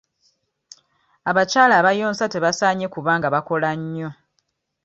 Abakyala abayonsa tebasaanye kuba nga bakola nnyo.